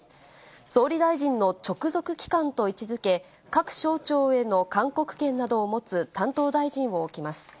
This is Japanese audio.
総理大臣の直属機関と位置づけ、各省庁への勧告権などを持つ担当大臣を置きます。